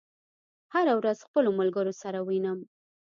هره ورځ خپلو ملګرو سره وینم